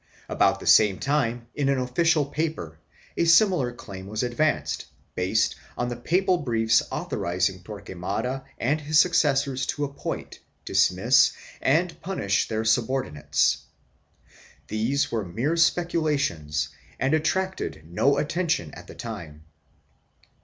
2 About the same time, in an official paper, a similar claim was advanced, based on the papal briefs authorizing Torquemada and his successors to appoint, dismiss and punish their subordinates.3 These were mere speculations and attracted no attention at the time.